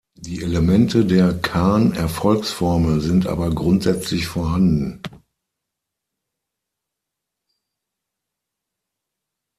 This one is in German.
Die Elemente der Khan-Erfolgsformel sind aber grundsätzlich vorhanden.